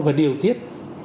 và điều tiết